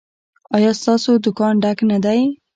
ایا ستاسو دکان ډک نه دی؟